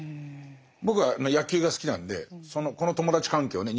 僕は野球が好きなんでこの友達関係をね